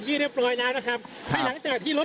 คุณภูริพัฒน์บุญนิน